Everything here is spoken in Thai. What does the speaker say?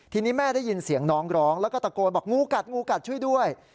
ทีนี้แม่ได้ยินเสียงน้องร้องแล้วก็ตะโกนบอกงูกัดงูกัดช่วยด้วย